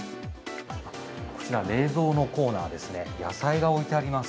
こちら冷蔵のコーナーですね、野菜が置いてあります。